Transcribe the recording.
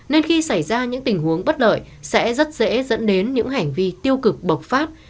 nên khi xảy ra những tình huống bất lợi sẽ rất dễ dẫn đến những hành vi tiêu cực bộc phát